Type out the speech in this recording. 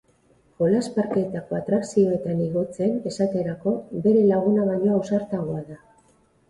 Jolas-parkeetako atrakzioetan igotzen, esaterako, bere laguna baino ausartagoa da.